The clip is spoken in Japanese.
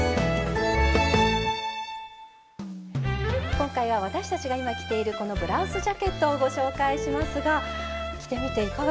今回は私たちが今着ているこのブラウスジャケットをご紹介しますが着てみていかがですか？